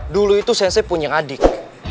dulu itu sensi punya adik